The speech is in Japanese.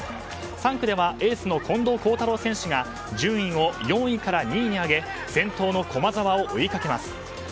３区では、エースの近藤幸太郎選手が順位を４位から２位に上げ先頭の駒澤を追いかけます。